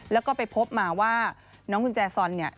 แล้วก็ไปพบมาว่าน้องกุญแจซอนเนี่ย